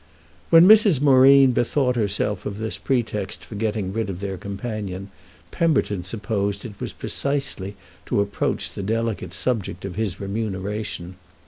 When Mrs. Moreen bethought herself of this pretext for getting rid of their companion Pemberton supposed it was precisely to approach the delicate subject of his remuneration.